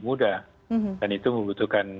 muda dan itu membutuhkan